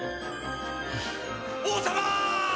・王様！